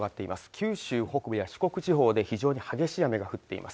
九州北部や四国地方で非常に激しい雨が降っています